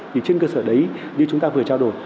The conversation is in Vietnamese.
thì trên cơ sở đấy như chúng ta vừa trao đổi